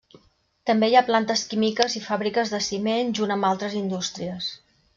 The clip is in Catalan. També hi ha plantes químiques i fàbriques de ciment, junt amb altres indústries.